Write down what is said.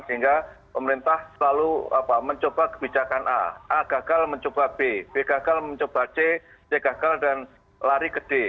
sehingga pemerintah selalu mencoba kebijakan a a gagal mencoba b b gagal mencoba c c gagal dan lari ke d